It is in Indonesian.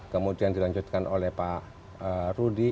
kemudian dilanjutkan oleh pak rudy